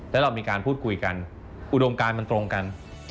แล้วเรามีการพูดคุยกันอุดมการมันตรงกัน